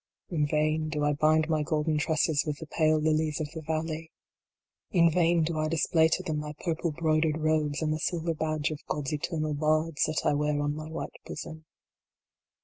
In vain do I bind my golden tresses with the pale lilies of the valley. INTO THE DEPTHS. 53 In vain do I display to them my purple broidered robes, and the silver badge of God s eternal bards that I wear on my white bosom.